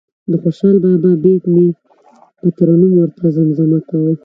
د خوشال بابا بیت به مې په ترنم ورته زمزمه کاوه.